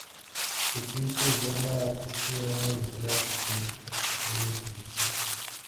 Su piso en Roma acogía un verdadero círculo de arqueólogos universales.